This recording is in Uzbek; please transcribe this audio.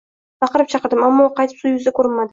Baqirib chaqirdim, ammo u qaytib suv yuzida ko`rinmadi